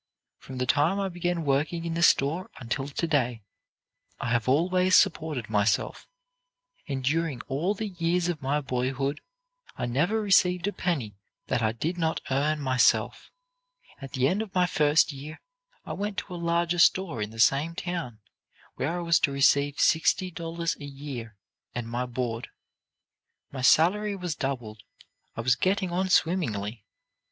"From the time I began working in the store until to day, I have always supported myself, and during all the years of my boyhood I never received a penny that I did not earn myself. At the end of my first year, I went to a larger store in the same town, where I was to receive sixty dollars a year and my board. My salary was doubled; I was getting on swimmingly.